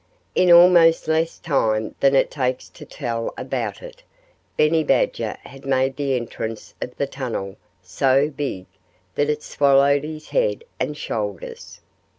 In almost less time than it takes to tell about it, Benny Badger had made the entrance of the tunnel so big that it swallowed his head and shoulders.